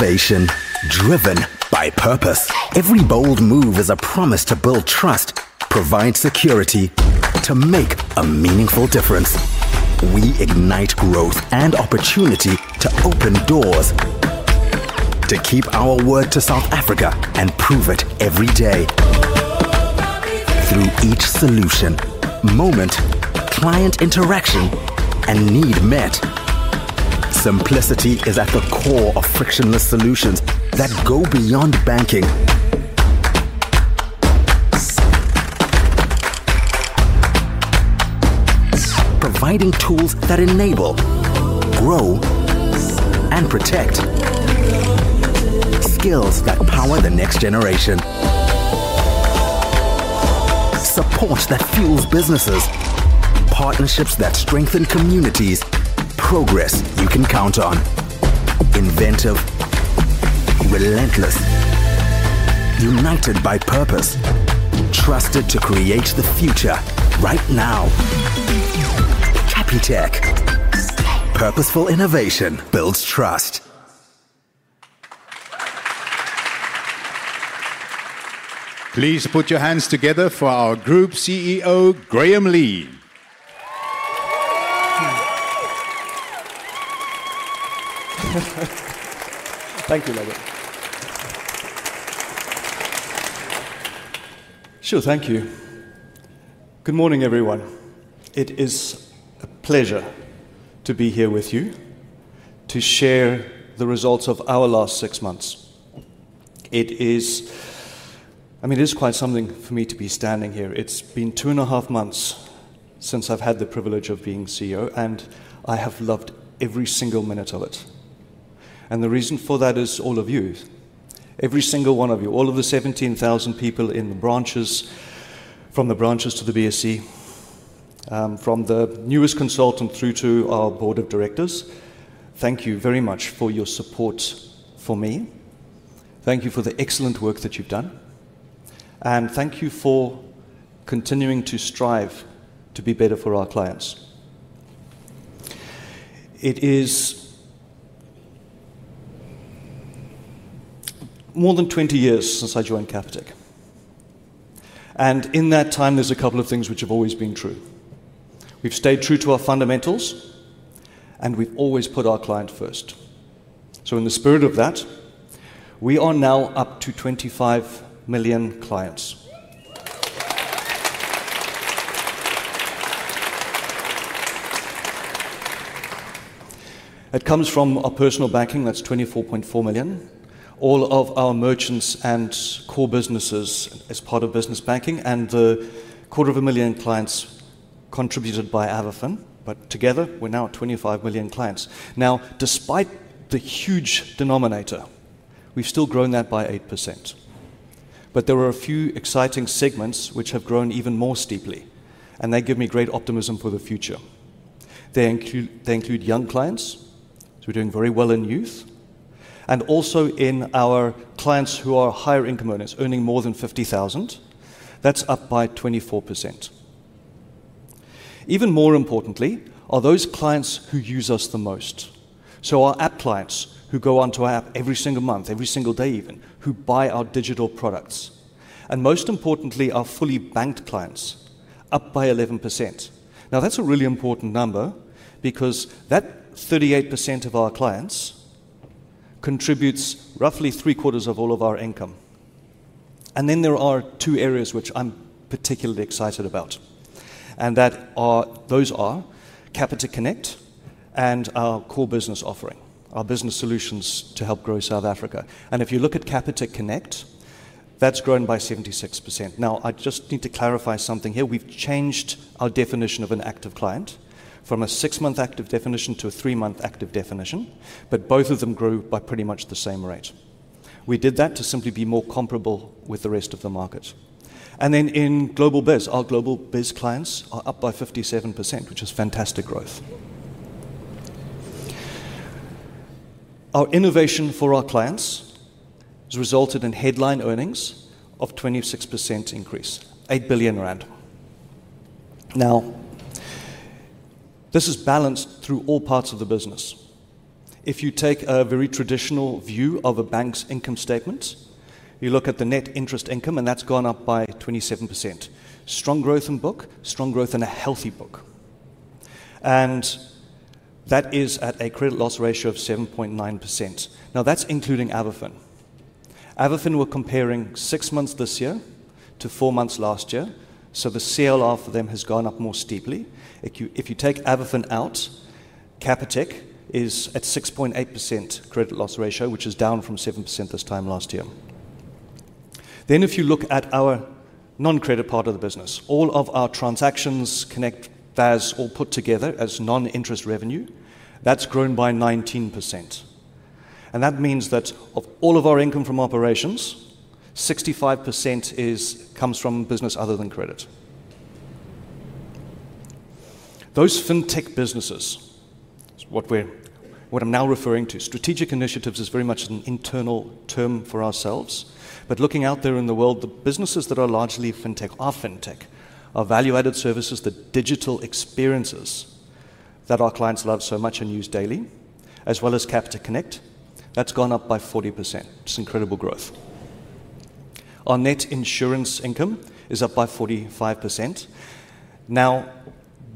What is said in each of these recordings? Innovation driven by purpose. Every bold move is a promise to build trust, provide security, and make a meaningful difference. We ignite growth and opportunity to open doors, to keep our word to South Africa and prove it every day. Through each solution, moment, client interaction, and need met, simplicity is at the core of frictionless solutions that go beyond banking. Providing tools that enable, grow, and protect. Skills that power the next generation. Support that fuels businesses. Partnerships that strengthen communities. Progress you can count on. Inventive, relentless, united by purpose, trusted to create the future right now. Capitec. Purposeful innovation builds trust. Please put your hands together for our Group CEO, Graham Lee. Thank you, Levit. Thank you. Good morning, everyone. It is a pleasure to be here with you, to share the results of our last six months. It is quite something for me to be standing here. It's been two and a half months since I've had the privilege of being CEO, and I have loved every single minute of it. The reason for that is all of you, every single one of you, all of the 17,000 people in the branches, from the branches to the BSE, from the newest consultant through to our board of directors. Thank you very much for your support for me. Thank you for the excellent work that you've done. Thank you for continuing to strive to be better for our clients. It is more than 20 years since I joined Capitec. In that time, there's a couple of things which have always been true. We've stayed true to our fundamentals, and we've always put our client first. In the spirit of that, we are now up to 25 million clients. It comes from our personal banking, that's 24.4 million. All of our merchants and core businesses as part of business banking, and the quarter of a million clients contributed by AvaFin, but together, we're now 25 million clients. Despite the huge denominator, we've still grown that by 8%. There are a few exciting segments which have grown even more steeply, and they give me great optimism for the future. They include young clients, so we're doing very well in youth, and also in our clients who are higher income earners, earning more than $50,000. That's up by 24%. Even more importantly, are those clients who use us the most. Our app clients who go onto our app every single month, every single day even, who buy our digital products. Most importantly, our fully banked clients, up by 11%. That's a really important number because that 38% of our clients contributes roughly three quarters of all of our income. There are two areas which I'm particularly excited about. Those are Capitec Connect and our core business offering, our business solutions to help grow South Africa. If you look at Capitec Connect, that's grown by 76%. I just need to clarify something here. We've changed our definition of an active client from a six-month active definition to a three-month active definition, but both of them grew by pretty much the same rate. We did that to simply be more comparable with the rest of the market. In Global Biz, our Global Biz clients are up by 57%, which is fantastic growth. Our innovation for our clients has resulted in headline earnings of a 26% increase, ZAR 8 billion. This is balanced through all parts of the business. If you take a very traditional view of a bank's income statement, you look at the net interest income, and that's gone up by 27%. Strong growth in book, strong growth in a healthy book. That is at a credit loss ratio of 7.9%. That's including AvaFin. AvaFin, we're comparing six months this year to four months last year, so the CLR for them has gone up more steeply. If you take AvaFin out, Capitec is at a 6.8% credit loss ratio, which is down from 7% this time last year. If you look at our non-credit part of the business, all of our transactions, Connect, DAS, all put together as non-interest revenue, that's grown by 19%. That means that of all of our income from operations, 65% comes from business other than credit. Those fintech businesses, what I'm now referring to, strategic initiatives is very much an internal term for ourselves. Looking out there in the world, the businesses that are largely fintech, our fintech, are value-added services, the digital experiences that our clients love so much and use daily, as well as Capitec Connect, that's gone up by 40%. It's incredible growth. Our net insurance income is up by 45%.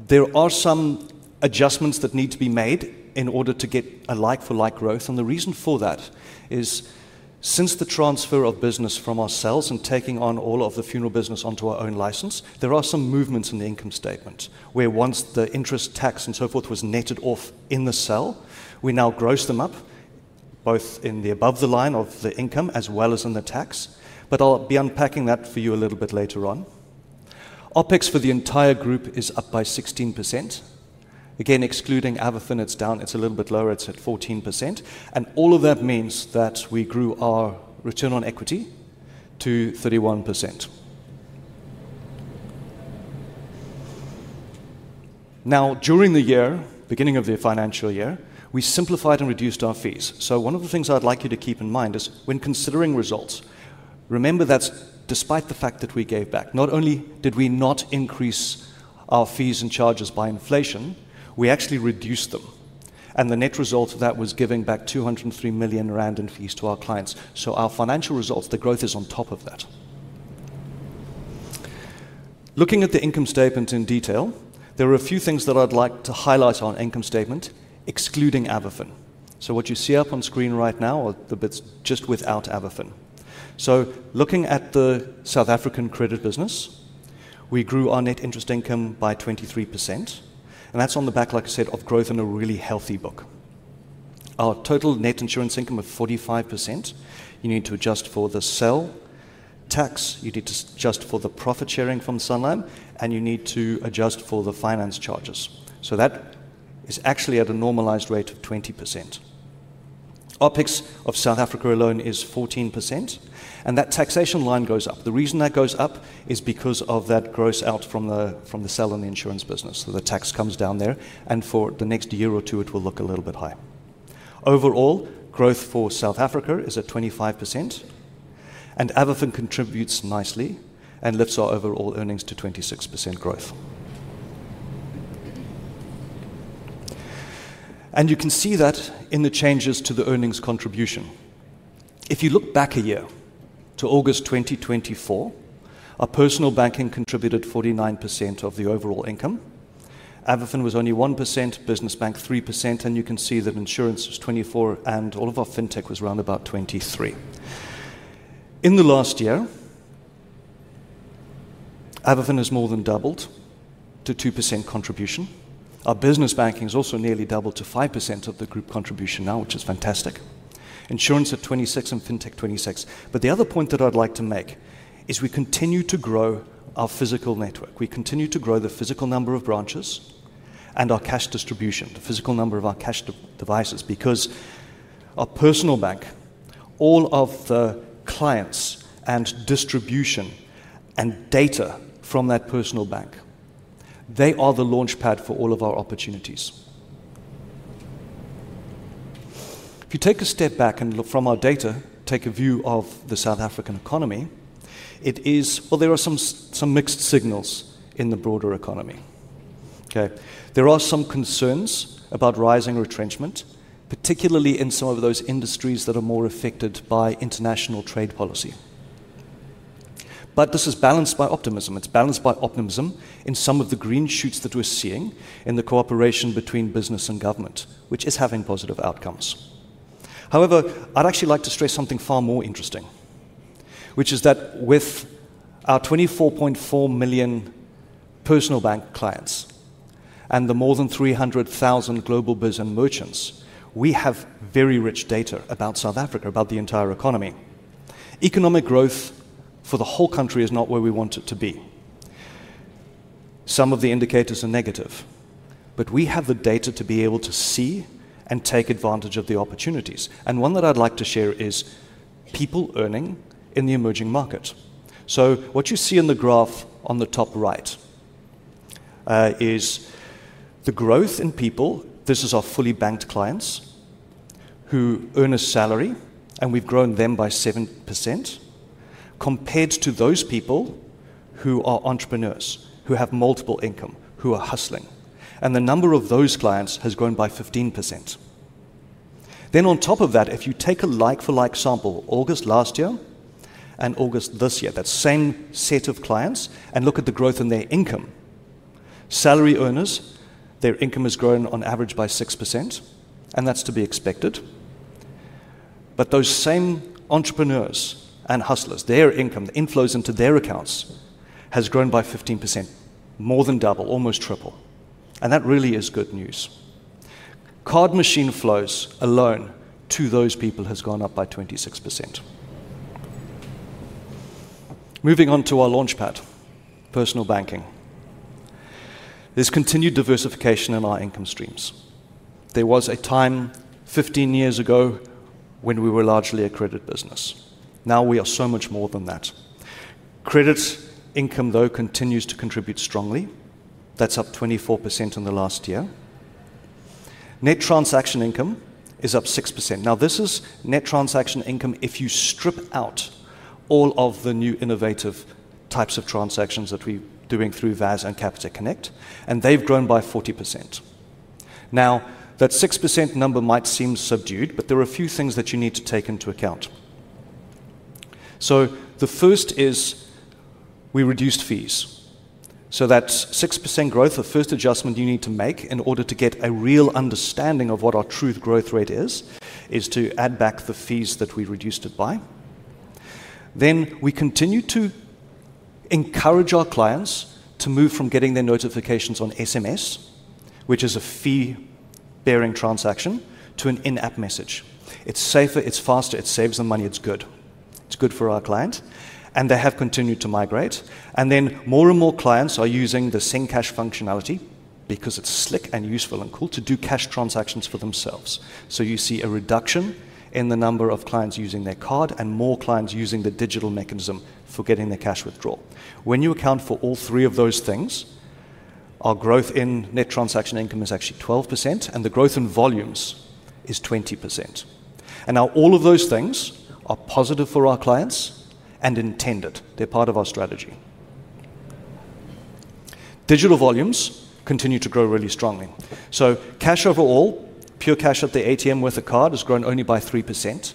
There are some adjustments that need to be made in order to get a like-for-like growth. The reason for that is since the transfer of business from ourselves and taking on all of the funeral business onto our own license, there are some movements in the income statement where once the interest, tax, and so forth was netted off in the sell, we now gross them up both in the above the line of the income as well as in the tax. I'll be unpacking that for you a little bit later on. OpEx for the entire group is up by 16%. Excluding AvaFin, it's down. It's a little bit lower. It's at 14%. All of that means that we grew our return on equity to 31%. During the year, beginning of the financial year, we simplified and reduced our fees. One of the things I'd like you to keep in mind is when considering results, remember that despite the fact that we gave back, not only did we not increase our fees and charges by inflation, we actually reduced them. The net result of that was giving back 203 million rand in fees to our clients. Our financial results, the growth is on top of that. Looking at the income statement in detail, there are a few things that I'd like to highlight on the income statement, excluding AvaFin. What you see up on screen right now are the bits just without AvaFin. Looking at the South African credit business, we grew our net interest income by 23%. That's on the back, like I said, of growth in a really healthy book. Our total net insurance income of 45%, you need to adjust for the sell tax, you need to adjust for the profit sharing from Sanlam, and you need to adjust for the finance charges. That is actually at a normalized rate of 20%. OpEx of South Africa alone is 14%. That taxation line goes up. The reason that goes up is because of that gross out from the sell and the insurance business. The tax comes down there. For the next year or two, it will look a little bit higher. Overall, growth for South Africa is at 25%. AvaFin contributes nicely and lifts our overall earnings to 26% growth. You can see that in the changes to the earnings contribution. If you look back a year to August 2024, our personal banking contributed 49% of the overall income. AvaFin was only 1%, business banking 3%, and you can see that insurance was 24%, and all of our fintech was around about 23%. In the last year, AvaFin has more than doubled to 2% contribution. Our business banking has also nearly doubled to 5% of the group contribution now, which is fantastic. Insurance at 26% and fintech 26%. The other point that I'd like to make is we continue to grow our physical network. We continue to grow the physical number of branches and our cash distribution, the physical number of our cash devices because our personal bank, all of the clients and distribution and data from that personal bank, they are the launchpad for all of our opportunities. If you take a step back and look from our data, take a view of the South African economy, there are some mixed signals in the broader economy. There are some concerns about rising retrenchment, particularly in some of those industries that are more affected by international trade policy. This is balanced by optimism. It's balanced by optimism in some of the green shoots that we're seeing in the cooperation between business and government, which is having positive outcomes. However, I'd actually like to stress something far more interesting, which is that with our 24.4 million personal bank clients and the more than 300,000 Global Biz and merchants, we have very rich data about South Africa, about the entire economy. Economic growth for the whole country is not where we want it to be. Some of the indicators are negative, but we have the data to be able to see and take advantage of the opportunities. One that I'd like to share is people earning in the emerging market. What you see in the graph on the top right is the growth in people. This is our fully banked clients who earn a salary, and we've grown them by 7% compared to those people who are entrepreneurs, who have multiple income, who are hustling. The number of those clients has grown by 15%. On top of that, if you take a like-for-like sample of August last year and August this year, that same set of clients, and look at the growth in their income, salary earners, their income has grown on average by 6%, and that's to be expected. Those same entrepreneurs and hustlers, their income, the inflows into their accounts has grown by 15%, more than double, almost triple. That really is good news. Card machine flows alone to those people have gone up by 26%. Moving on to our launchpad, personal banking. There's continued diversification in our income streams. There was a time 15 years ago when we were largely a credit business. Now we are so much more than that. Credit income, though, continues to contribute strongly. That's up 24% in the last year. Net transaction income is up 6%. This is net transaction income if you strip out all of the new innovative types of transactions that we're doing through value-added services and Capitec Connect, and they've grown by 40%. That 6% number might seem subdued, but there are a few things that you need to take into account. The first is we reduced fees. That 6% growth, the first adjustment you need to make in order to get a real understanding of what our true growth rate is, is to add back the fees that we reduced it by. We continue to encourage our clients to move from getting their notifications on SMS, which is a fee-bearing transaction, to an in-app message. It's safer, it's faster, it saves them money, it's good. It's good for our clients. They have continued to migrate. More and more clients are using the send cash functionality because it's slick and useful and cool to do cash transactions for themselves. You see a reduction in the number of clients using their card and more clients using the digital mechanism for getting their cash withdrawal. When you account for all three of those things, our growth in net transaction income is actually 12%, and the growth in volumes is 20%. All of those things are positive for our clients and intended. They're part of our strategy. Digital volumes continue to grow really strongly. Cash overall, pure cash at the ATM with a card, has grown only by 3%.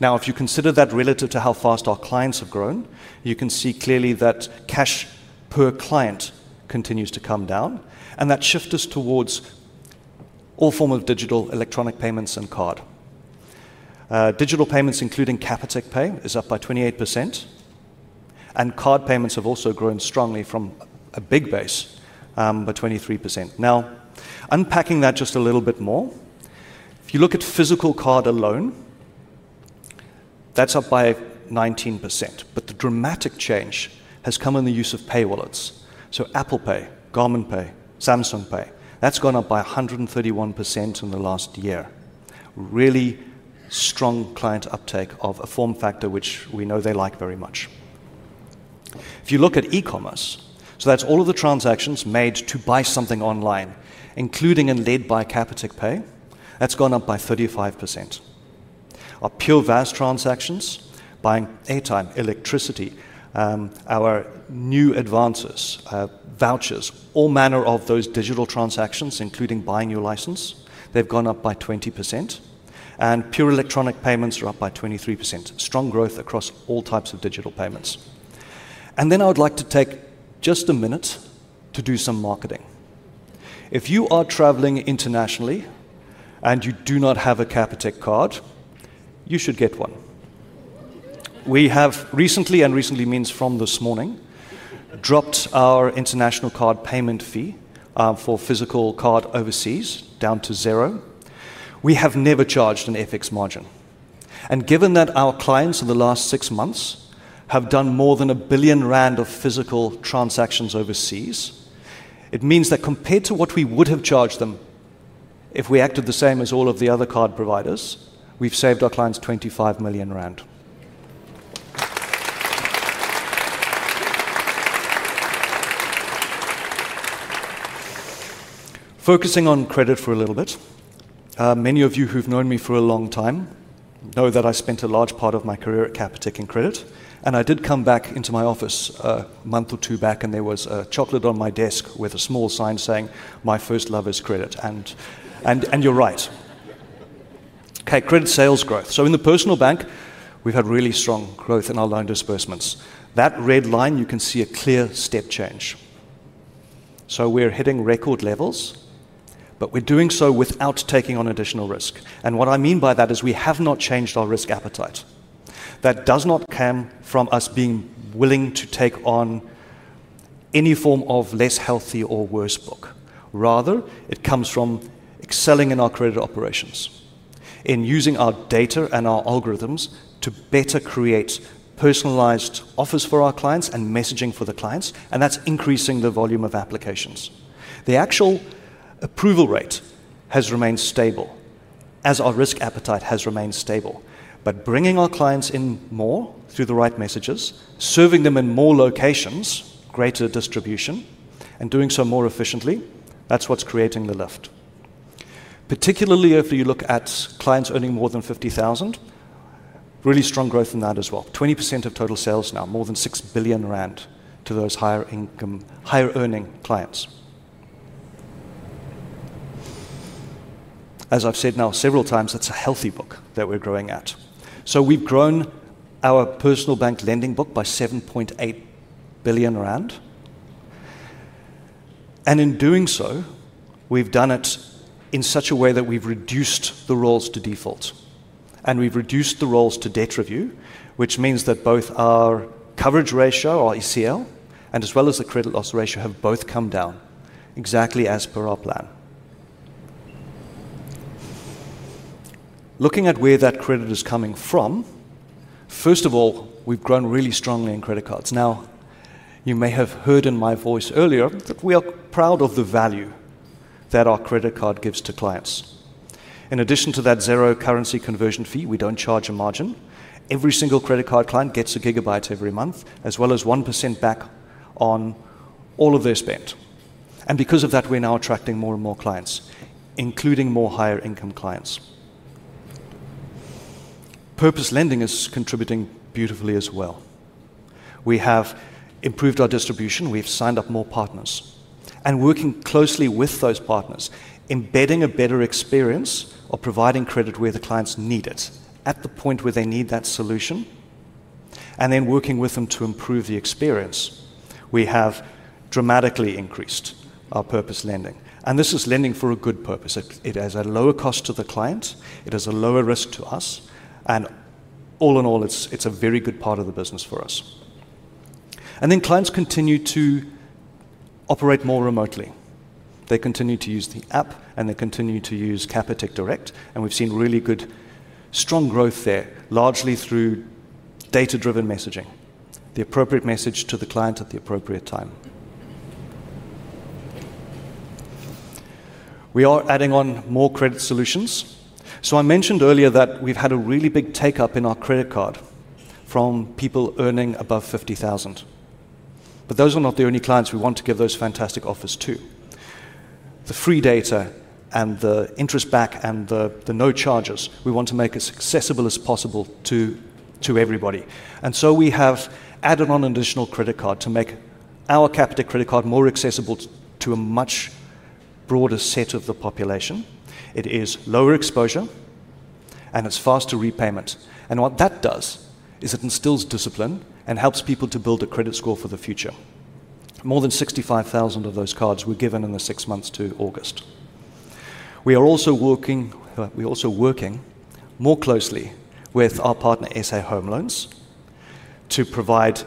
If you consider that relative to how fast our clients have grown, you can see clearly that cash per client continues to come down. That shifts us towards all forms of digital electronic payments and card. Digital payments, including Capitec Pay, are up by 28%. Card payments have also grown strongly from a big base by 23%. Unpacking that just a little bit more, if you look at physical card alone, that's up by 19%. The dramatic change has come in the use of pay wallets. Apple Pay, Garmin Pay, Samsung Pay, that's gone up by 131% in the last year. Really strong client uptake of a form factor which we know they like very much. If you look at e-commerce, all of the transactions made to buy something online, including and led by Capitec Pay, that's gone up by 35%. Our pure VAS transactions, buying airtime, electricity, our new advances, vouchers, all manner of those digital transactions, including buying your license, have gone up by 20%. Pure electronic payments are up by 23%. Strong growth across all types of digital payments. I would like to take just a minute to do some marketing. If you are traveling internationally and you do not have a Capitec card, you should get one. We have recently, and recently means from this morning, dropped our international card payment fee for physical card overseas down to zero. We have never charged an FX margin. Given that our clients in the last six months have done more than 1 billion rand of physical transactions overseas, it means that compared to what we would have charged them if we acted the same as all of the other card providers, we've saved our clients 25 million rand. Focusing on credit for a little bit, many of you who've known me for a long time know that I spent a large part of my career at Capitec in credit. I did come back into my office a month or two back, and there was a chocolate on my desk with a small sign saying, "My first love is credit." You're right. Credit sales growth. In the personal bank, we've had really strong growth in our loan disbursements. That red line, you can see a clear step change. We're hitting record levels, but we're doing so without taking on additional risk. What I mean by that is we have not changed our risk appetite. That does not come from us being willing to take on any form of less healthy or worse book. Rather, it comes from excelling in our credit operations, in using our data and our algorithms to better create personalized offers for our clients and messaging for the clients. That's increasing the volume of applications. The actual approval rate has remained stable as our risk appetite has remained stable. Bringing our clients in more through the right messages, serving them in more locations, greater distribution, and doing so more efficiently, that's what's creating the lift. Particularly if you look at clients earning more than 50,000, really strong growth in that as well. 20% of total sales now, more than 6 billion rand to those higher earning clients. As I've said now several times, that's a healthy book that we're growing at. We've grown our personal bank lending book by 7.8 billion rand. In doing so, we've done it in such a way that we've reduced the rolls to default. We've reduced the rolls to debt review, which means that both our coverage ratio, our ECL, as well as the credit loss ratio have both come down exactly as per our plan. Looking at where that credit is coming from, first of all, we've grown really strongly in credit cards. You may have heard in my voice earlier that we are proud of the value that our credit card gives to clients. In addition to that zero currency conversion fee, we don't charge a margin. Every single credit card client gets 1 GB every month, as well as 1% back on all of their spend. Because of that, we're now attracting more and more clients, including more higher income clients. Purpose lending is contributing beautifully as well. We have improved our distribution. We've signed up more partners. Working closely with those partners, embedding a better experience or providing credit where the clients need it at the point where they need that solution, and then working with them to improve the experience, we have dramatically increased our purpose lending. This is lending for a good purpose. It has a lower cost to the client. It has a lower risk to us. All in all, it's a very good part of the business for us. Clients continue to operate more remotely. They continue to use the app, and they continue to use Capitec Direct. We've seen really good, strong growth there, largely through data-driven messaging, the appropriate message to the client at the appropriate time. We are adding on more credit solutions. I mentioned earlier that we've had a really big take-up in our credit card from people earning above 50,000. Those are not the only clients we want to give those fantastic offers to. The free data and the interest back and the no charges, we want to make as accessible as possible to everybody. We have added on an additional credit card to make our Capitec credit card more accessible to a much broader set of the population. It is lower exposure, and it's faster repayment. What that does is it instills discipline and helps people to build a credit score for the future. More than 65,000 of those cards were given in the six months to August. We are also working more closely with our partner SA Home Loans to provide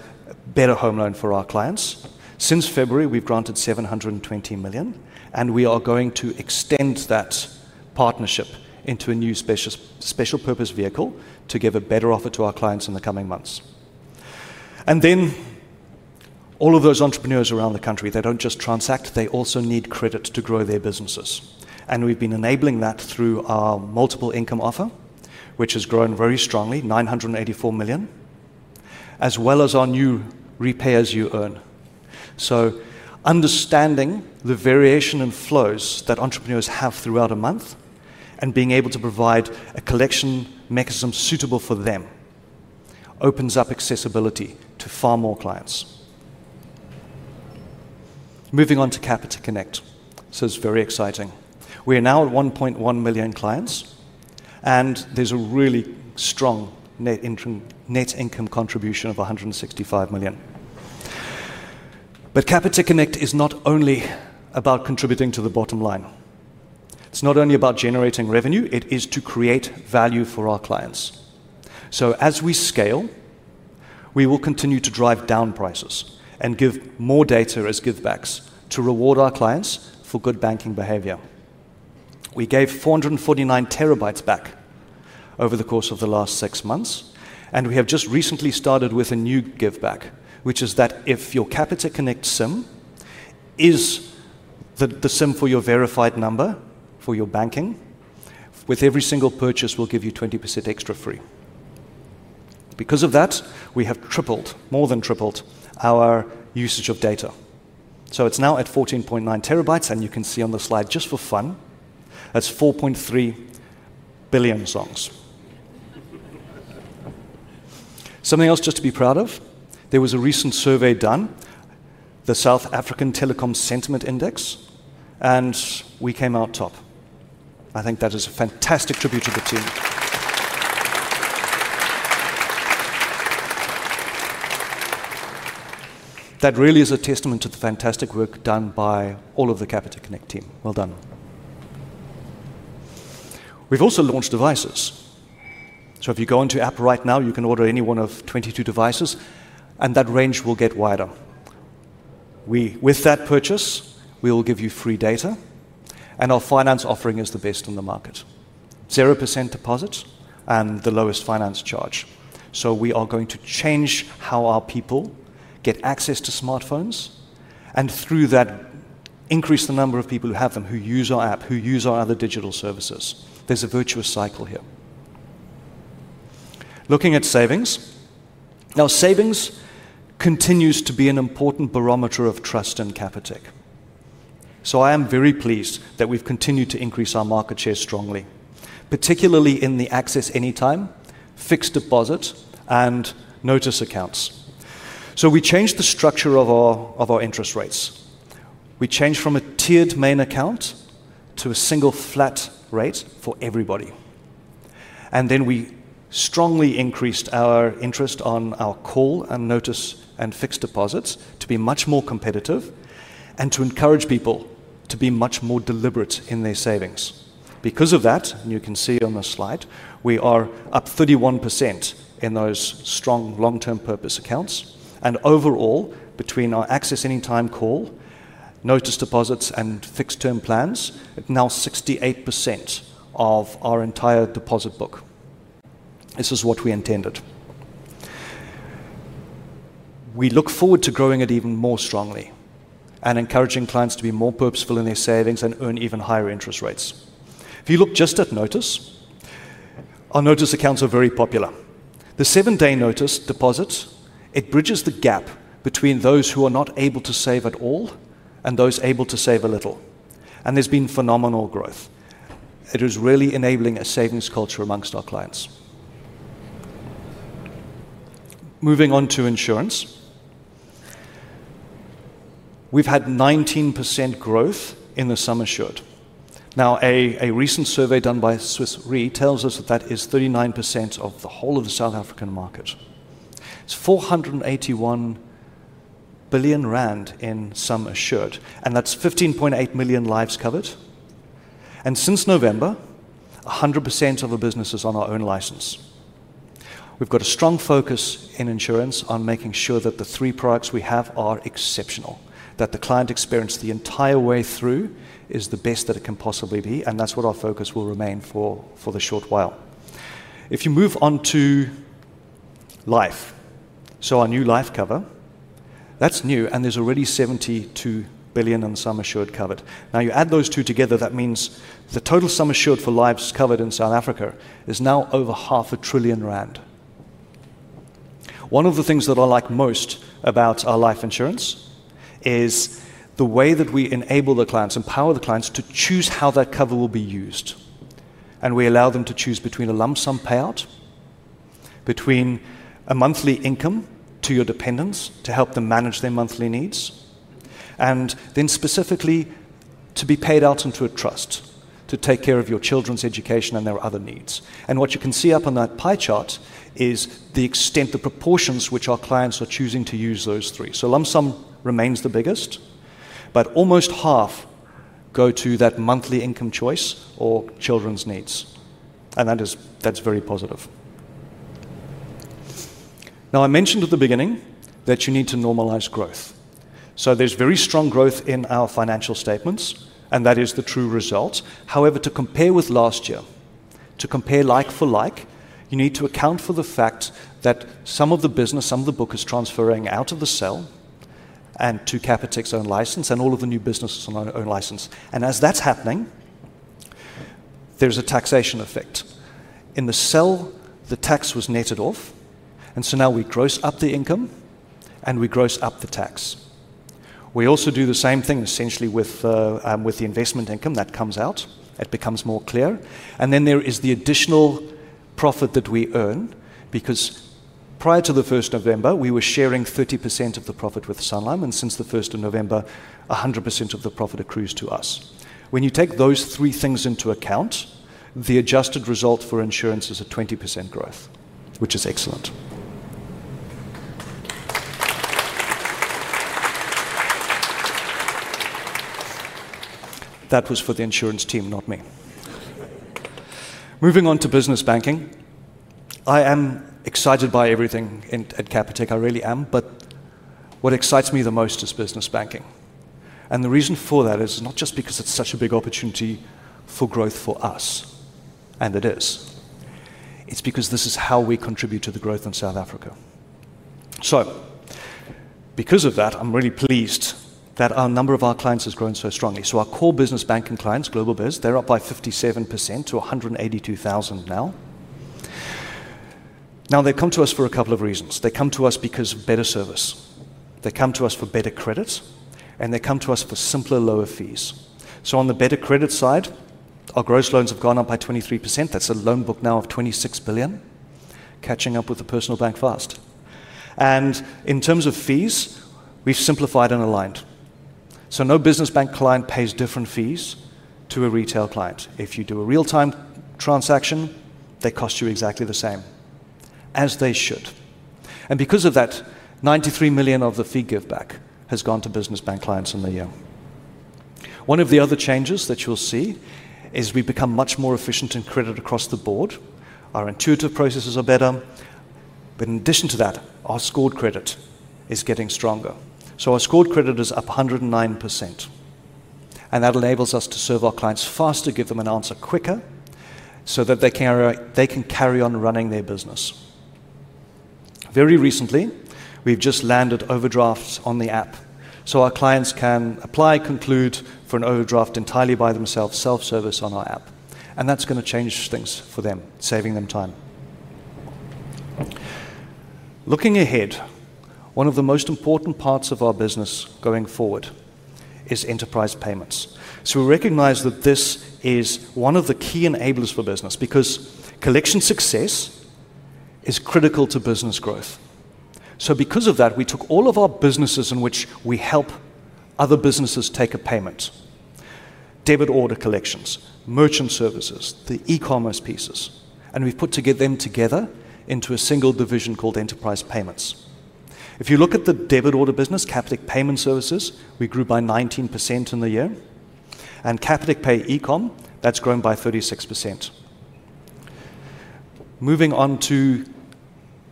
better home loans for our clients. Since February, we've granted 720 million, and we are going to extend that partnership into a new special purpose vehicle to give a better offer to our clients in the coming months. All of those entrepreneurs around the country, they don't just transact, they also need credit to grow their businesses. We've been enabling that through our multiple income offer, which has grown very strongly, 984 million, as well as our new repairs you earn. Understanding the variation in flows that entrepreneurs have throughout a month and being able to provide a collection mechanism suitable for them opens up accessibility to far more clients. Moving on to Capitec Connect, it's very exciting. We are now at 1.1 million clients, and there's a really strong net income contribution of 165 million. Capitec Connect is not only about contributing to the bottom line. It's not only about generating revenue, it is to create value for our clients. As we scale, we will continue to drive down prices and give more data as givebacks to reward our clients for good banking behavior. We gave 449 TB back over the course of the last six months, and we have just recently started with a new giveback, which is that if your Capitec Connect SIM is the SIM for your verified number for your banking, with every single purchase, we'll give you 20% extra free. Because of that, we have tripled, more than tripled our usage of data. It's now at 14.9 TB, and you can see on the slide, just for fun, that's 4.3 billion songs. Something else just to be proud of, there was a recent survey done, the South African Telecom Sentiment Index, and we came out top. I think that is a fantastic tribute to the team. That really is a testament to the fantastic work done by all of the Capitec Connect team. Well done. We've also launched devices. If you go into app right now, you can order any one of 22 devices, and that range will get wider. With that purchase, we will give you free data, and our finance offering is the best in the market. 0% deposit and the lowest finance charge. We are going to change how our people get access to smartphones, and through that, increase the number of people who have them, who use our app, who use our other digital services. There's a virtuous cycle here. Looking at savings, savings continues to be an important barometer of trust in Capitec. I am very pleased that we've continued to increase our market share strongly, particularly in the access anytime, fixed deposit, and notice accounts. We changed the structure of our interest rates. We changed from a tiered main account to a single flat rate for everybody. We strongly increased our interest on our call and notice and fixed deposits to be much more competitive and to encourage people to be much more deliberate in their savings. Because of that, and you can see on the slide, we are up 31% in those strong long-term purpose accounts. Overall, between our access anytime call, notice deposits, and fixed term plans, it's now 68% of our entire deposit book. This is what we intended. We look forward to growing it even more strongly and encouraging clients to be more purposeful in their savings and earn even higher interest rates. If you look just at notice, our notice accounts are very popular. The seven-day notice deposit bridges the gap between those who are not able to save at all and those able to save a little. There has been phenomenal growth. It is really enabling a savings culture amongst our clients. Moving on to insurance, we've had 19% growth in the sum assured. A recent survey done by Swiss Re tells us that is 39% of the whole of the South African market. It is 481 billion rand in sum assured, and that's 15.8 million lives covered. Since November, 100% of our businesses are on our own license. We've got a strong focus in insurance on making sure that the three products we have are exceptional, that the client experience the entire way through is the best that it can possibly be, and that's what our focus will remain for the short while. If you move on to life, our new life cover is new, and there's already 72 billion in sum assured covered. You add those two together, that means the total sum assured for lives covered in South Africa is now over half a trillion rand. One of the things that I like most about our life insurance is the way that we enable the clients, empower the clients to choose how that cover will be used. We allow them to choose between a lump sum payout, between a monthly income to your dependents to help them manage their monthly needs, and specifically to be paid out into a trust to take care of your children's education and their other needs. What you can see up on that pie chart is the extent, the proportions which our clients are choosing to use those three. Lump sum remains the biggest, but almost half go to that monthly income choice or children's needs. That is very positive. I mentioned at the beginning that you need to normalize growth. There is very strong growth in our financial statements, and that is the true result. However, to compare with last year, to compare like for like, you need to account for the fact that some of the business, some of the book is transferring out of the cell and to Capitec's own license and all of the new business is on their own license. As that's happening, there's a taxation effect. In the cell, the tax was netted off, and now we gross up the income, and we gross up the tax. We also do the same thing essentially with the investment income that comes out. It becomes more clear. Then there is the additional profit that we earn because prior to the 1st of November, we were sharing 30% of the profit with Sanlam, and since the 1st of November, 100% of the profit accrues to us. When you take those three things into account, the adjusted result for insurance is a 20% growth, which is excellent. That was for the insurance team, not me. Moving on to business banking, I am excited by everything at Capitec. I really am. What excites me the most is business banking. The reason for that is not just because it's such a big opportunity for growth for us, and it is. It is because this is how we contribute to the growth in South Africa. Because of that, I'm really pleased that a number of our clients has grown so strongly. Our core business banking clients, Global Biz, they're up by 57% to 182,000 now. They come to us for a couple of reasons. They come to us because of better service. They come to us for better credit, and they come to us for simpler, lower fees. On the better credit side, our gross loans have gone up by 23%. That's a loan book now of 26 billion, catching up with the personal bank fast. In terms of fees, we've simplified and aligned. No business bank client pays different fees to a retail client. If you do a real-time transaction, they cost you exactly the same as they should. Because of that, 93 million of the fee giveback has gone to business bank clients in the year. One of the other changes that you'll see is we've become much more efficient in credit across the board. Our intuitive processes are better. In addition to that, our scored credit is getting stronger. Our scored credit is up 109%. That enables us to serve our clients faster, give them an answer quicker, so that they can carry on running their business. Very recently, we've just landed overdrafts on the app. Our clients can apply, conclude for an overdraft entirely by themselves, self-service on our app. That's going to change things for them, saving them time. Looking ahead, one of the most important parts of our business going forward is enterprise payments. We recognize that this is one of the key enablers for business because collection success is critical to business growth. Because of that, we took all of our businesses in which we help other businesses take a payment: debit order collections, merchant services, the e-commerce pieces. We have put them together into a single division called enterprise payments. If you look at the debit order business, Capitec payment services, we grew by 19% in the year. Capitec Pay ecom has grown by 36%. Moving on to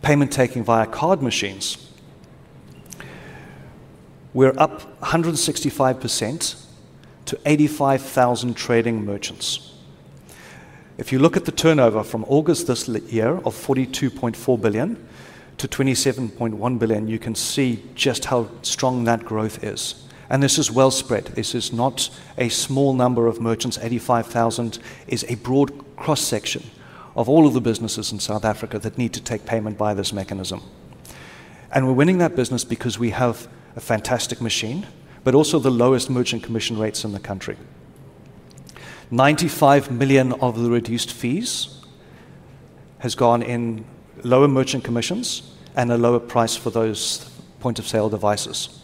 payment taking via card machines, we're up 165% to 85,000 trading merchants. If you look at the turnover from August this year of 42.4 billion-27.1 billion, you can see just how strong that growth is. This is well spread. This is not a small number of merchants. 85,000 is a broad cross-section of all of the businesses in South Africa that need to take payment by this mechanism. We're winning that business because we have a fantastic machine, but also the lowest merchant commission rates in the country. 95 million of the reduced fees have gone in lower merchant commissions and a lower price for those point-of-sale devices.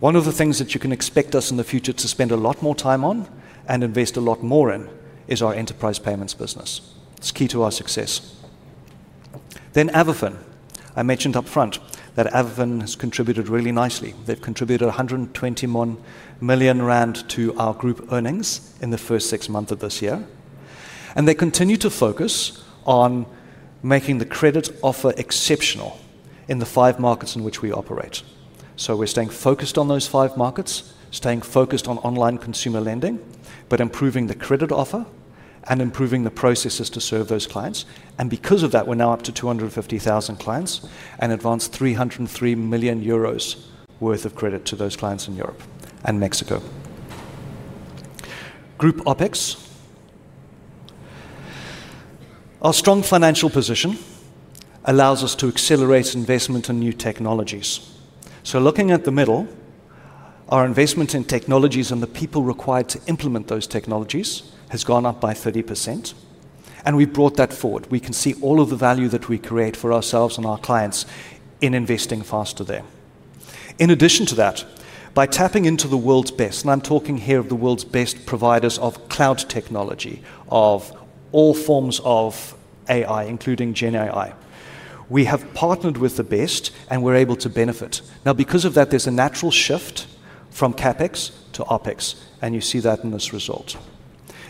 One of the things that you can expect us in the future to spend a lot more time on and invest a lot more in is our enterprise payments business. It's key to our success. AvaFin, I mentioned upfront that AvaFin has contributed really nicely. They've contributed 121 million rand to our group earnings in the first six months of this year. They continue to focus on making the credit offer exceptional in the five markets in which we operate. We're staying focused on those five markets, staying focused on online consumer lending, but improving the credit offer and improving the processes to serve those clients. Because of that, we're now up to 250,000 clients and have advanced 303 million euros worth of credit to those clients in Europe and Mexico. Group OpEx, our strong financial position allows us to accelerate investment in new technologies. Looking at the middle, our investment in technologies and the people required to implement those technologies has gone up by 30%. We brought that forward. We can see all of the value that we create for ourselves and our clients in investing faster there. In addition to that, by tapping into the world's best, and I'm talking here of the world's best providers of cloud technology, of all forms of AI, including GenAI, we have partnered with the best, and we're able to benefit. Because of that, there's a natural shift from CapEx to OpEx, and you see that in this result.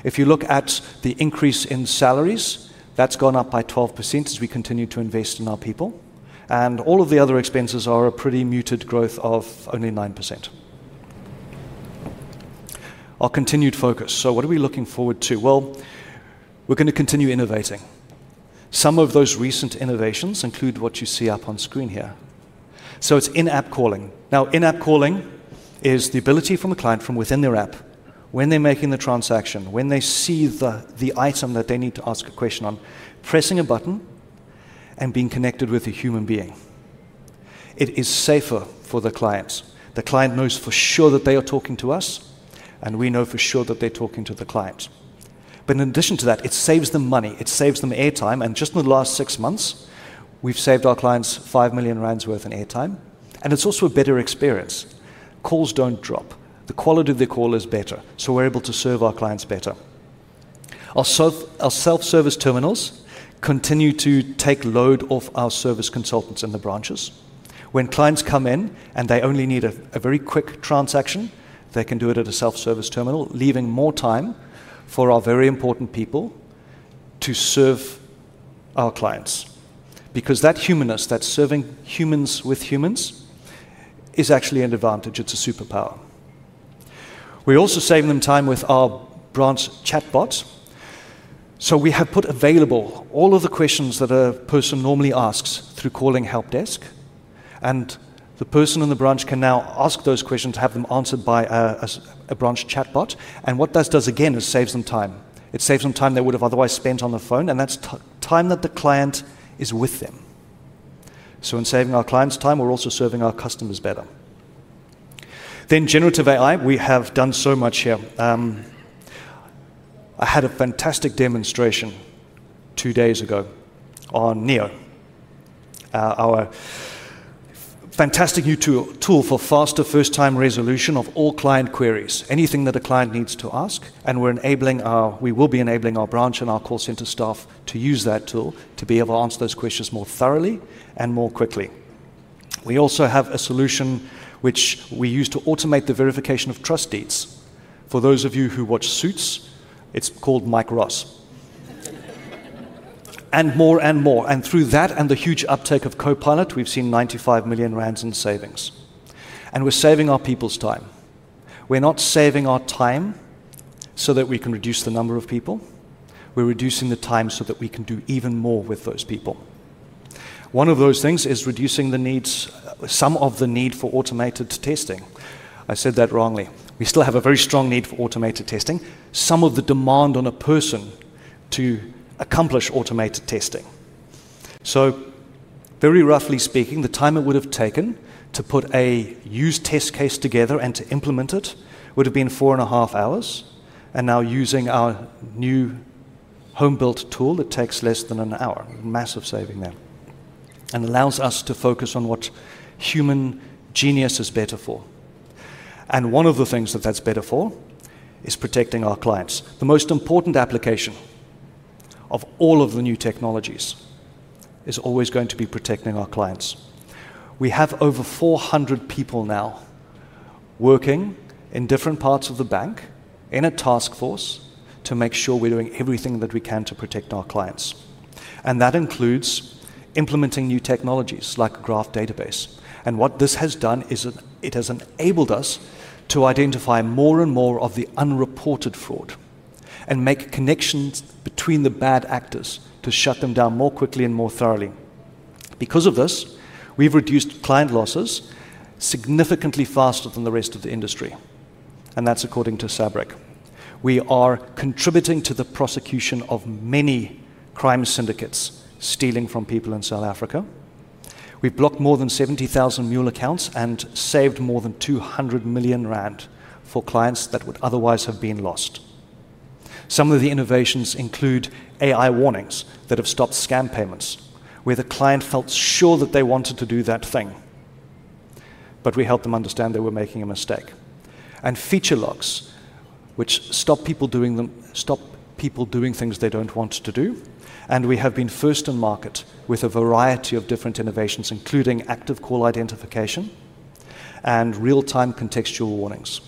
If you look at the increase in salaries, that's gone up by 12% as we continue to invest in our people. All of the other expenses are a pretty muted growth of only 9%. Our continued focus. What are we looking forward to? We're going to continue innovating. Some of those recent innovations include what you see up on screen here. It's in-app calling. In-app calling is the ability for a client from within their app, when they're making the transaction, when they see the item that they need to ask a question on, pressing a button, and being connected with a human being. It is safer for the client. The client knows for sure that they are talking to us, and we know for sure that they're talking to the client. In addition to that, it saves them money. It saves them airtime. In just the last six months, we've saved our clients 5 million rand worth in airtime. It's also a better experience. Calls don't drop. The quality of the call is better. We're able to serve our clients better. Our self-service terminals continue to take load off our service consultants in the branches. When clients come in and they only need a very quick transaction, they can do it at a self-service terminal, leaving more time for our very important people to serve our clients. That humanness, that serving humans with humans, is actually an advantage. It's a superpower. We're also saving them time with our branch chatbots. We have put available all of the questions that a person normally asks through calling helpdesk. The person in the branch can now ask those questions and have them answered by a branch chatbot. What that does is save them time. It saves them time they would have otherwise spent on the phone, and that's time that the client is with them. In saving our clients' time, we're also serving our customers better. Generative AI, we have done so much here. I had a fantastic demonstration two days ago on Neo, our fantastic new tool for faster first-time resolution of all client queries, anything that a client needs to ask. We're enabling our branch and our call center staff to use that tool to be able to answer those questions more thoroughly and more quickly. We also have a solution which we use to automate the verification of trust deeds. For those of you who watch Suits, it's called Mike Ross. Through that and the huge uptake of Copilot, we've seen 95 million rand in savings. We're saving our people's time. We're not saving our time so that we can reduce the number of people. We're reducing the time so that we can do even more with those people. One of those things is reducing some of the need for automated testing. I said that wrongly. We still have a very strong need for automated testing, some of the demand on a person to accomplish automated testing. Very roughly speaking, the time it would have taken to put a used test case together and to implement it would have been four and a half hours. Now, using our new home-built tool, it takes less than an hour, a massive saving there, and allows us to focus on what human genius is better for. One of the things that that's better for is protecting our clients. The most important application of all of the new technologies is always going to be protecting our clients. We have over 400 people now working in different parts of the bank in a task force to make sure we're doing everything that we can to protect our clients. That includes implementing new technologies like Graph Database. What this has done is it has enabled us to identify more and more of the unreported fraud and make connections between the bad actors to shut them down more quickly and more thoroughly. Because of this, we've reduced client losses significantly faster than the rest of the industry. That's according to SABRE. We are contributing to the prosecution of many crime syndicates stealing from people in South Africa. We blocked more than 70,000 mule accounts and saved more than 200 million rand for clients that would otherwise have been lost. Some of the innovations include AI warnings that have stopped scam payments where the client felt sure that they wanted to do that thing. We helped them understand they were making a mistake. Feature locks stop people doing things they don't want to do. We have been first in market with a variety of different innovations, including active call identification and real-time contextual warnings.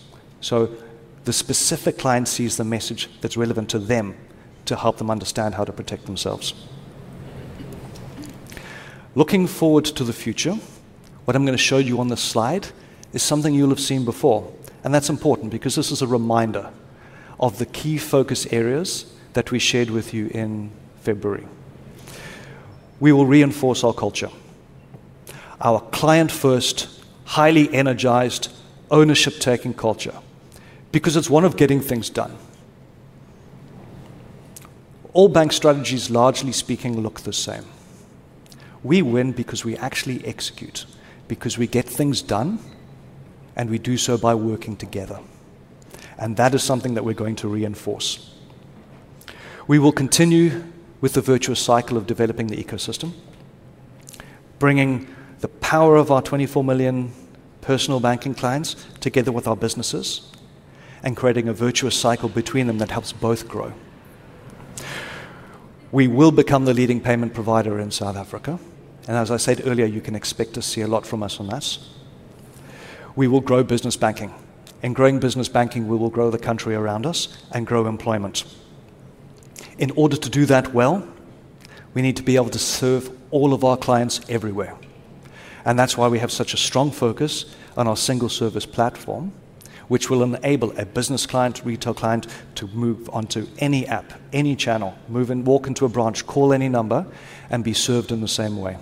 The specific client sees the message that's relevant to them to help them understand how to protect themselves. Looking forward to the future, what I'm going to show you on this slide is something you'll have seen before. That's important because this is a reminder of the key focus areas that we shared with you in February. We will reinforce our culture, our client-first, highly energized, ownership-taking culture because it's one of getting things done. All bank strategies, largely speaking, look the same. We win because we actually execute, because we get things done, and we do so by working together. That is something that we're going to reinforce. We will continue with the virtuous cycle of developing the ecosystem, bringing the power of our 24 million personal banking clients together with our businesses and creating a virtuous cycle between them that helps both grow. We will become the leading payment provider in South Africa. As I said earlier, you can expect to see a lot from us on us. We will grow business banking. Growing business banking, we will grow the country around us and grow employment. In order to do that well, we need to be able to serve all of our clients everywhere. That's why we have such a strong focus on our single-service platform, which will enable a business client or retail client to move onto any app, any channel, move in, walk into a branch, call any number, and be served in the same way.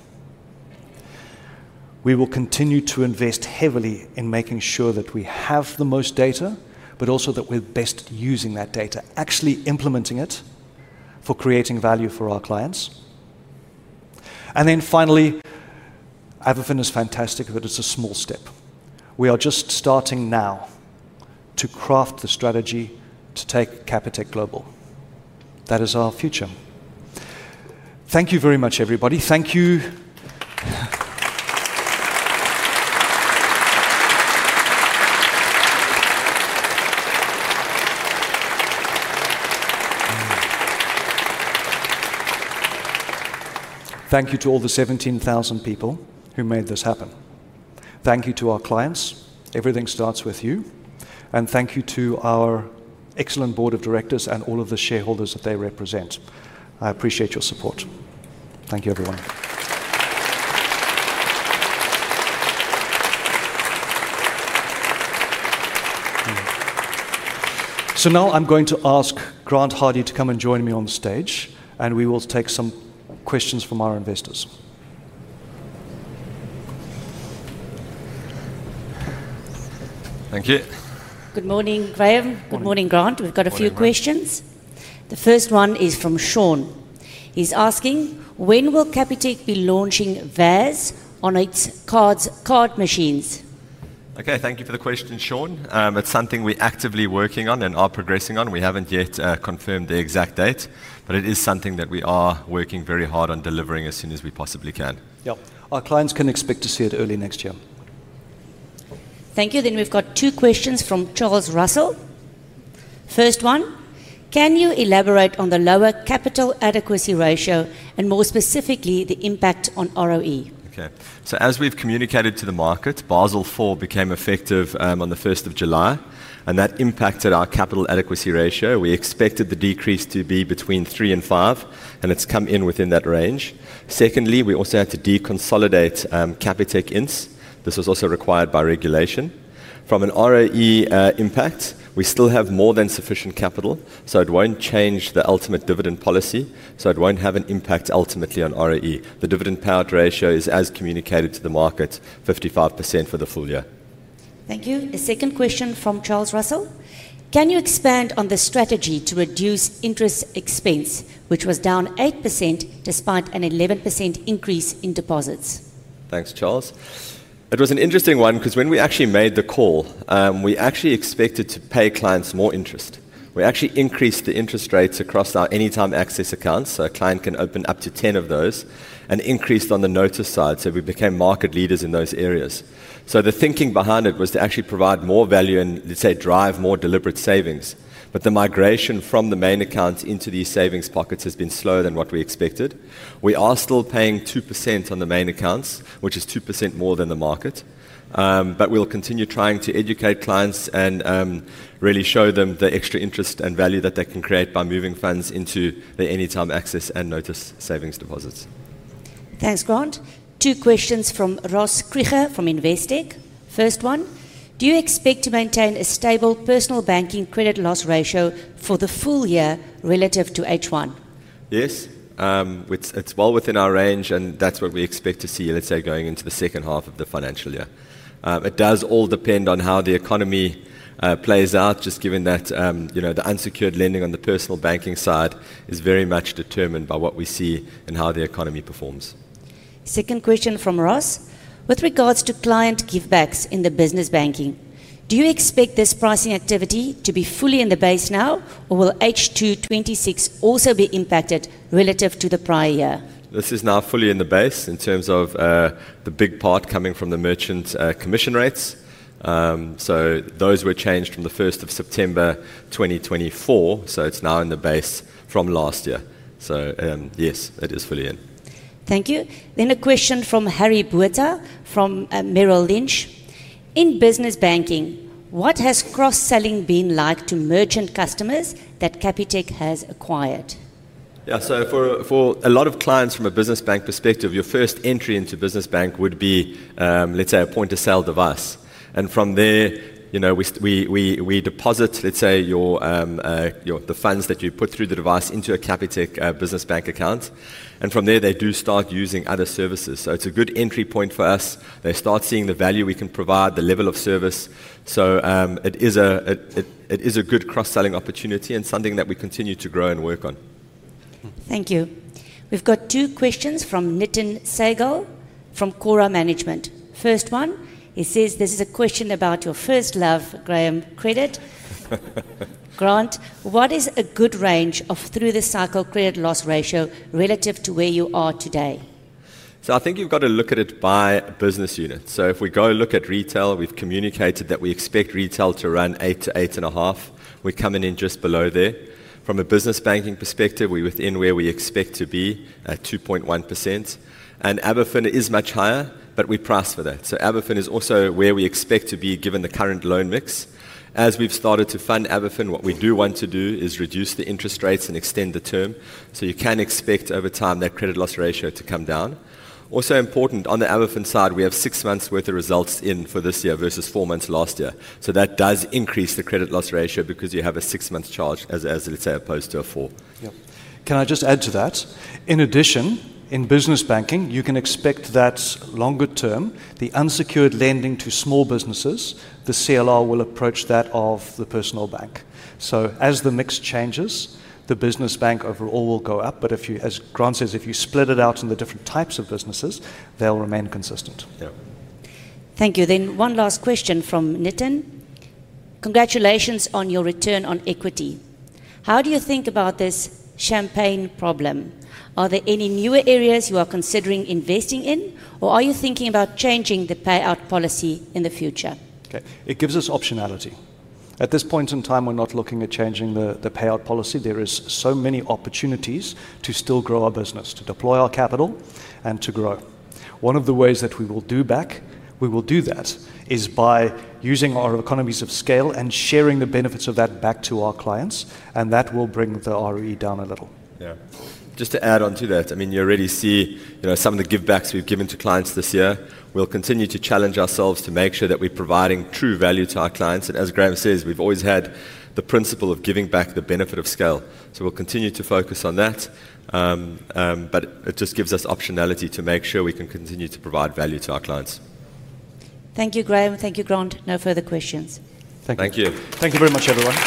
We will continue to invest heavily in making sure that we have the most data, but also that we're best using that data, actually implementing it for creating value for our clients. Finally, AvaFin is fantastic but it's a small step. We are just starting now to craft the strategy to take Capitec global. That is our future. Thank you very much, everybody. Thank you. Thank you to all the 17,000 people who made this happen. Thank you to our clients. Everything starts with you. Thank you to our excellent board of directors and all of the shareholders that they represent. I appreciate your support. Thank you, everyone. Now I'm going to ask Grant Hardy to come and join me on the stage, and we will take some questions from our investors. Thank you. Good morning, Graham. Good morning, Grant. We've got a few questions. The first one is from Sean. He's asking, when will Capitec be launching VAS on its card machines? Okay, thank you for the question, Sean. That's something we're actively working on and are progressing on. We haven't yet confirmed the exact date, but it is something that we are working very hard on delivering as soon as we possibly can. Yeah, our clients can expect to see it early next year. Thank you. We have two questions from Charles Russell. First one, can you elaborate on the lower capital adequacy ratio and more specifically the impact on ROE? Okay, as we've communicated to the market, Basel IV became effective on July 1, and that impacted our capital adequacy ratio. We expected the decrease to be between 3% and 5%, and it's come in within that range. Secondly, we also had to deconsolidate Capitec Inc. This was also required by regulation. From an ROE impact, we still have more than sufficient capital, so it won't change the ultimate dividend policy, so it won't have an impact ultimately on ROE. The dividend payout ratio is, as communicated to the market, 55% for the full year. Thank you. A second question from Charles Russell. Can you expand on the strategy to reduce interest expense, which was down 8% despite an 11% increase in deposits? Thanks, Charles. It was an interesting one because when we actually made the call, we expected to pay clients more interest. We increased the interest rates across our anytime access accounts, so a client can open up to 10 of those, and increased on the notice side. We became market leaders in those areas. The thinking behind it was to provide more value and, let's say, drive more deliberate savings. The migration from the main accounts into these savings pockets has been slower than what we expected. We are still paying 2% on the main accounts, which is 2% more than the market. We'll continue trying to educate clients and really show them the extra interest and value that they can create by moving funds into the anytime access and notice savings deposits. Thanks, Grant. Two questions from Ross Krieger from Investec. First one, do you expect to maintain a stable personal banking credit loss ratio for the full year relative to H1? Yes, it's well within our range, and that's what we expect to see, let's say, going into the second half of the financial year. It does all depend on how the economy plays out, just given that the unsecured lending on the personal banking side is very much determined by what we see and how the economy performs. Second question from Ross. With regards to client givebacks in the business banking, do you expect this pricing activity to be fully in the base now, or will H2 2026 also be impacted relative to the prior year? This is now fully in the base in terms of the big part coming from the merchants' commission rates. Those were changed from the 1st of September, 2024, so it's now in the base from last year. Yes, it is fully in. Thank you. A question from Harry Buerter from Merrill Lynch. In business banking, what has cross-selling been like to merchant customers that Capitec has acquired? Yeah, for a lot of clients from a business bank perspective, your first entry into business bank would be, let's say, a point-of-sale device. From there, we deposit the funds that you put through the device into a Capitec business bank account. From there, they do start using other services. It is a good entry point for us. They start seeing the value we can provide, the level of service. It is a good cross-selling opportunity and something that we continue to grow and work on. Thank you. We've got two questions from Nitin Saigal from Kora Management. First one, he says, this is a question about your first love, Graham. Credit. Grant, what is a good range of through-the-cycle credit loss ratio relative to where you are today? I think you've got to look at it by a business unit. If we go look at retail, we've communicated that we expect retail to run 8%-8.5%. We're coming in just below there. From a business banking perspective, we're within where we expect to be, at 2.1%. AvaFin is much higher, but we price for that. AvaFin is also where we expect to be given the current loan mix. As we've started to fund AvaFin, what we do want to do is reduce the interest rates and extend the term. You can expect over time that credit loss ratio to come down. Also important on the AvaFin side, we have six months' worth of results in for this year versus four months last year. That does increase the credit loss ratio because you have a six-month charge as it is opposed to a four. Can I just add to that? In addition, in business banking, you can expect that longer term, the unsecured lending to small businesses, the CLR will approach that of the personal bank. As the mix changes, the business bank overall will go up. If you, as Grant says, if you split it out in the different types of businesses, they'll remain consistent. Yeah. Thank you. Then one last question from Nitin. Congratulations on your return on equity. How do you think about this champagne problem? Are there any newer areas you are considering investing in, or are you thinking about changing the payout policy in the future? Okay. It gives us optionality. At this point in time, we're not looking at changing the payout policy. There are so many opportunities to still grow our business, to deploy our capital, and to grow. One of the ways that we will do that is by using our economies of scale and sharing the benefits of that back to our clients, and that will bring the ROE down a little. Yeah. Just to add on to that, I mean, you already see some of the givebacks we've given to clients this year. We will continue to challenge ourselves to make sure that we're providing true value to our clients. As Graham says, we've always had the principle of giving back the benefit of scale. We will continue to focus on that. It just gives us optionality to make sure we can continue to provide value to our clients. Thank you, Graham. Thank you, Grant. No further questions. Thank you. Thank you very much, everyone.